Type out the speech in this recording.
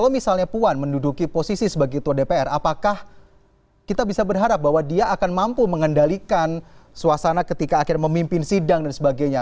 kalau misalnya puan menduduki posisi sebagai ketua dpr apakah kita bisa berharap bahwa dia akan mampu mengendalikan suasana ketika akhirnya memimpin sidang dan sebagainya